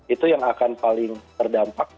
itu yang akan paling terdampak